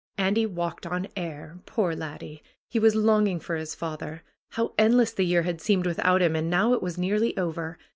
Andy walked on air. Poor laddie ! He was longing for his father. How endless the year had seemed without him! And now it was nearly over.